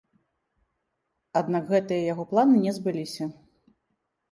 Аднак гэтыя яго планы не збыліся.